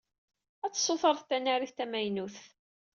Ad tessutred tanarit tamaynut.